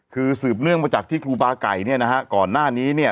คือสืบเนื่องมาจากที่ครูบาไก่เนี่ยนะฮะก่อนหน้านี้เนี่ย